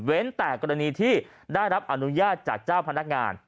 แต่กรณีที่ได้รับอนุญาตจากเจ้าพนักงาน